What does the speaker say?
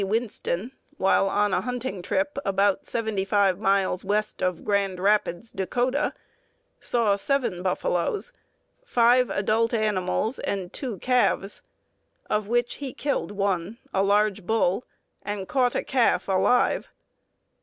Winston, while on a hunting trip about 75 miles west of Grand Rapids, Dakota, saw seven buffaloes five adult animals and two calves; of which he killed one, a large bull, and caught a calf alive.